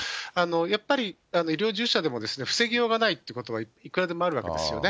やっぱり医療従事者でも、防ぎようがないということがいくらでもあるわけですよね。